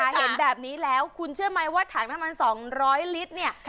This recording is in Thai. เห็นแบบนี้แล้วคุณเชื่อไหมว่าถังน้ำมัน๒๐๐ลิตรเนี่ย